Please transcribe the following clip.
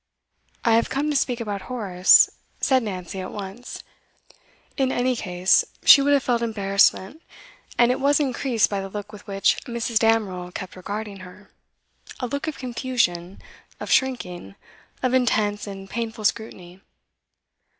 'I have come to speak about Horace,' said Nancy, at once. In any case, she would have felt embarrassment, and it was increased by the look with which Mrs. Damerel kept regarding her, a look of confusion, of shrinking, of intense and painful scrutiny.